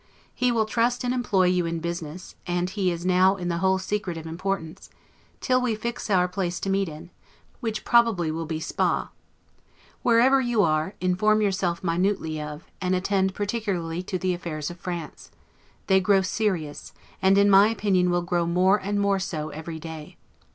He will trust and employ you in business (and he is now in the whole secret of importance) till we fix our place to meet in: which probably will be Spa. Wherever you are, inform yourself minutely of, and attend particularly to the affairs of France; they grow serious, and in my opinion will grow more and more so every day.